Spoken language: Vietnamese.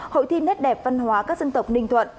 hội thi nét đẹp văn hóa các dân tộc ninh thuận